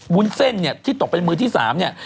วุ้นเส้นเนี่ยที่ตกเป็นมือที่๓เนี่ย